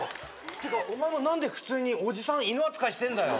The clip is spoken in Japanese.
てかお前も何で普通におじさん犬扱いしてんだよ。